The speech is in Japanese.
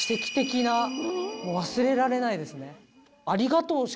もう忘れられないですね。